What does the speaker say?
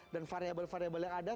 dan variabel variabel yang ada